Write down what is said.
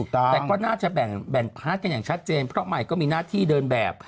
แต่ก็น่าจะแบ่งพาร์ทกันอย่างชัดเจนเพราะใหม่ก็มีหน้าที่เดินแบบ